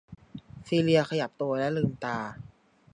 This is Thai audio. ซีเลียขยับตัวและลืมตา